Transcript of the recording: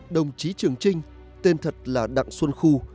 đồng chí trường trinh tên thật là đặng xuân khu